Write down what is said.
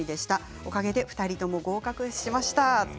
おかげさまで２人とも合格しました。